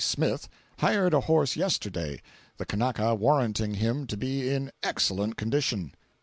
Smith, hired a horse yesterday, the Kanaka warranting him to be in excellent condition.